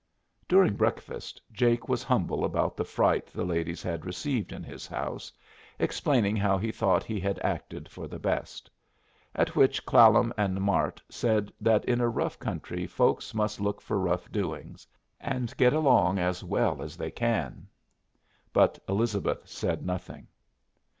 During breakfast Jake was humble about the fright the ladies had received in his house, explaining how he thought he had acted for the best; at which Clallam and Mart said that in a rough country folks must look for rough doings, and get along as well as they can; but Elizabeth said nothing.